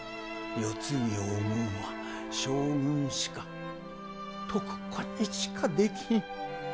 世継ぎを生むんは将軍しか徳子にしかできひん。